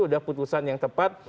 sudah putusan yang tepat